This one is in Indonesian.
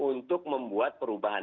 untuk membuat perubahan